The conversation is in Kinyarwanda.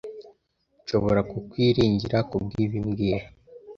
Nshobora kukwiringira kubwibi mbwira